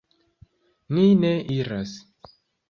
Ni ne iras.